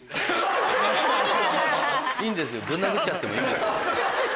いいんですよ。